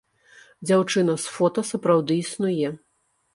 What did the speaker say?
Дзяўчынка з фота сапраўды існуе.